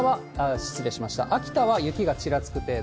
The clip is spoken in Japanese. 秋田は雪がちらつく程度。